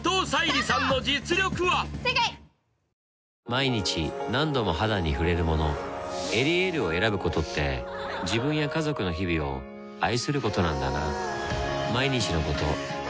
毎日何度も肌に触れるもの「エリエール」を選ぶことって自分や家族の日々を愛することなんだなぁ